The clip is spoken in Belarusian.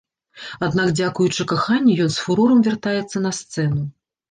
Аднак дзякуючы каханню ён з фурорам вяртаецца на сцэну.